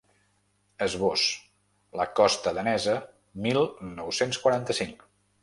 Esbós: La costa danesa, mil nou-cents quaranta-cinc.